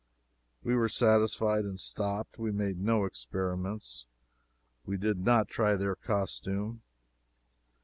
We were satisfied, and stopped. We made no experiments. We did not try their costume.